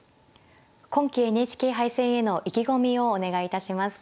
今期ＮＨＫ杯戦への意気込みをお願いいたします。